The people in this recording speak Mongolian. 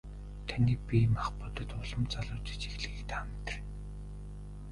Таны бие махбод улам залуужиж эхлэхийг та мэдэрнэ.